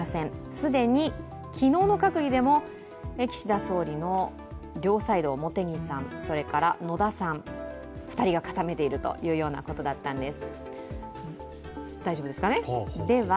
既に昨日の閣議でも岸田総理の両サイドを茂木さんそれから野田さん、２人が固めているというようなことだったんです。